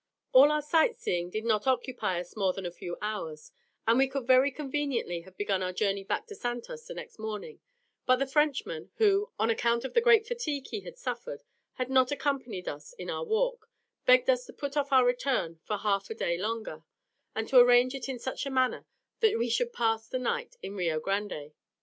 All our sight seeing did not occupy us more than a few hours, and we could very conveniently have begun our journey back to Santos the next morning; but the Frenchman, who, on account of the great fatigue he had suffered, had not accompanied us in our walk, begged us to put off our return for half a day longer, and to arrange it in such a manner, that we should pass the night in Rio Grande.